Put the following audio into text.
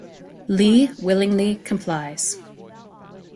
Lee willingly complies.